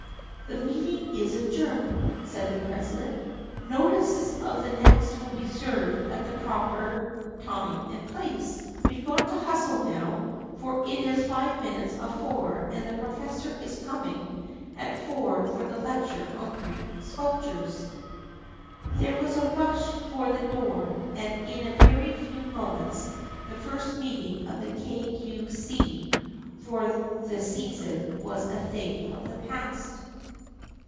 44 The meeting is adjourned," said the president. 44 Notices of the next will be served at the proper time and place. We've got to hustle now, for it is five minutes of four and the professor is coming at four for the lecture on Greek sculpture." THE FRIENDSHIP OF ANNE 61 There was a rush for the door, and in a very few moments the first meeting of the Kay Cue See for the season was a thing of the past.